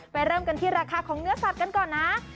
เริ่มกันที่ราคาของเนื้อสัตว์กันก่อนนะ